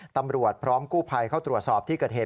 ตำรวจพร้อมกู้ภัยเข้าตรวจสอบที่เกิดเหตุ